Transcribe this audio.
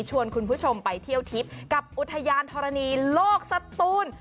ชวนคุณผู้ชมไปเที่ยวทิพย์กับอุทยานธรณีโลกสตูน